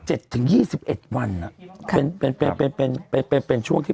ถึงยี่สิบเอ็ดวันอ่ะค่ะเป็นเป็นเป็นเป็นไปเป็นเป็นช่วงที่